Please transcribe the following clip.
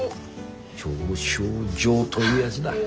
表彰状というやづだ。